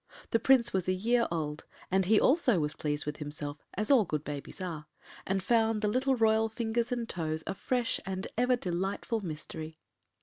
The Prince was a year old, and he also was pleased with himself, as all good babies are, and found the little royal fingers and toes a fresh and ever delightful mystery.